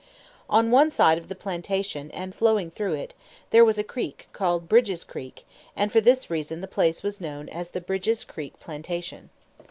On one side of the plantation, and flowing through it, there was a creek, called Bridge's Creek; and for this reason the place was known as the Bridge's Creek Plantation.